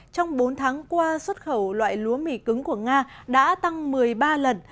trong bốn tháng qua xuất khẩu loại lúa mì cứng của nga đã tăng một mươi ba lần